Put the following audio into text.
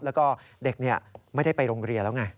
แล้วก็เด็กไม่ได้ไปโรงเรียนแล้วไง